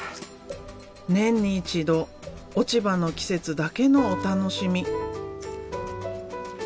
年に一度落ち葉の季節だけのお楽しみ。